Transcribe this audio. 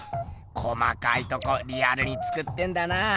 細かいとこリアルに作ってんだな。